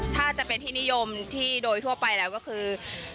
ถ้าจะเป็นที่นิยมที่โดยทั่วไปแล้วก็คือ